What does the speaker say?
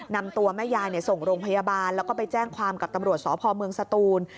นำตัวแม่ยายส่งโรงพยาบาลแล้วก็ไปแจ้งความกับตำรวจสพเมืองสตูน